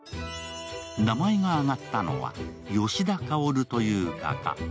名前が挙がったのはヨシダカヲルという画家。